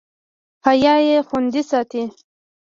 حیا یې خوندي ساتي.